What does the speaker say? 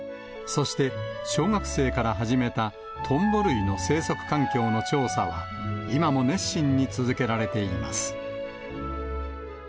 そして、小学生から始めた、トンボ類の生息環境の調査は、今も熱心に続けられています。